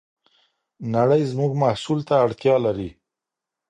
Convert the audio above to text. نړۍ زموږ محصول ته اړتیا لري.